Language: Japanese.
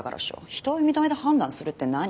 人を見た目で判断するって何？